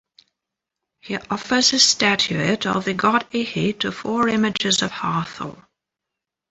He offers a statuette of the god Ihy to four images of Hathor.